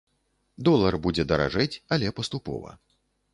Долар будзе даражэць, але паступова.